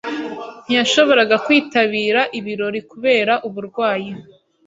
Ntiyashoboraga kwitabira ibirori kubera uburwayi.